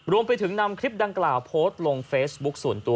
รวมไปถึงนำคลิปดังกล่าวโพสต์ลงเฟซบุ๊คส่วนตัว